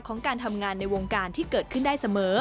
การทำงานในวงการที่เกิดขึ้นได้เสมอ